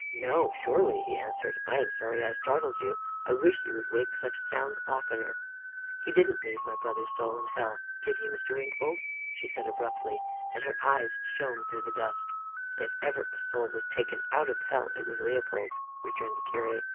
"No, surely," he answered. "I am sorry I startled you. I wish you would wake such sounds oftener." "He didn't leave my brother's soul in hell, did he, Mr. Wingfold?" she said abruptly, and her eyes shone through the dusk. "If ever a soul was taken out of hell, it was Leopold's," returned the curate.